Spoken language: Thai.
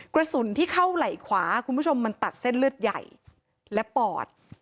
กระสุนที่เข้าไหล่ขวาคุณผู้ชมมันตัดเส้นเลือดใหญ่และปอด